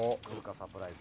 サプライズ。